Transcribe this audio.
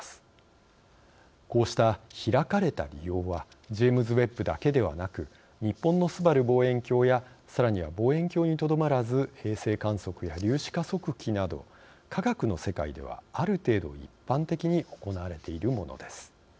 こうした開かれた利用はジェームズ・ウェッブだけではなく日本のすばる望遠鏡やさらには望遠鏡にとどまらず衛星観測や粒子加速器など科学の世界ではある程度一般的に行われているものです。